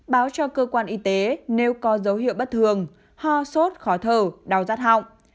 báo cho cơ quan y tế nếu có dấu hiệu bất thường ho sốt khó thở đau rắt họng